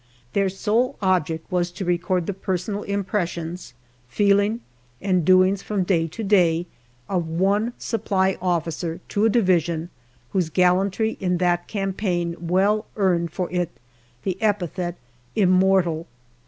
Their sole object was to record the personal impressions, feeling, and doings from day to day of one supply officer to a Division whose gallantry in that campaign well earned for it the epithet " Immortal."